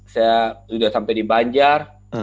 saya sudah sampai di banjar